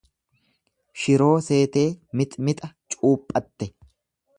Shiroo seetee mixmixa cuuphatte.